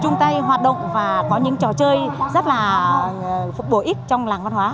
trung tây hoạt động và có những trò chơi rất là phục vụ ích trong làng văn hóa